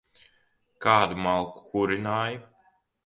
Kādu malku kurināji?